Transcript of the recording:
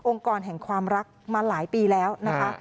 กรแห่งความรักมาหลายปีแล้วนะคะ